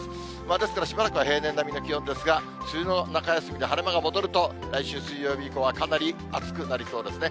ですから、しばらくは平年並みの気温ですが、梅雨の中休みで、晴れ間が戻ると、来週水曜日以降はかなり暑くなりそうですね。